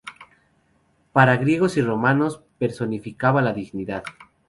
Para griegos y romanos personificaba la dignidad.